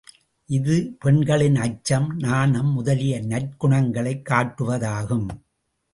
இது பெண்களின் அச்சம், நாணம் முதலிய நற்குணங்களைக் காட்டுவதாகும்.